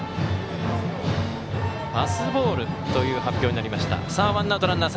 パスボールという発表になりました。